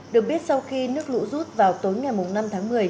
được biết sau khi nước lũ rút vào tối ngày năm tháng một mươi